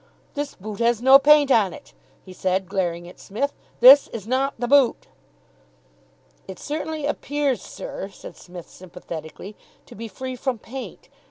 "This boot has no paint on it," he said, glaring at Psmith. "This is not the boot." "It certainly appears, sir," said Psmith sympathetically, "to be free from paint.